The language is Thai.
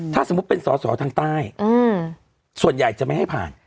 ถ้าสมมุติเป็นสอสอทางใต้ส่วนใหญ่จะไม่ให้ผ่าน